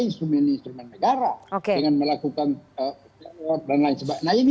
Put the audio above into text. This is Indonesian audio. instrumen instrumen negara dengan melakukan dan lain sebagainya